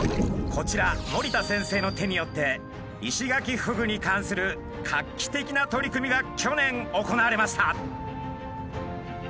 こちら森田先生の手によってイシガキフグに関する画期的な取り組みが去年行われました。